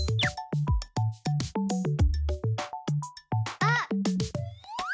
あっ！